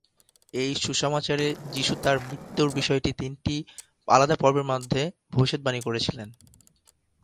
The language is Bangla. এই সুসমাচারে, যিশু তাঁর মৃত্যুর বিষয়টি তিনটি আলাদা পর্বের মধ্যে ভবিষ্যদ্বাণী করেছিলেন।